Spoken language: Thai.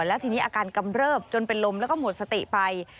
แล้วทีนี้อาการกำเริบจนเป็นลมแล้วก็หมดสติไป